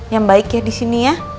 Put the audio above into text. yang baik ya disini ya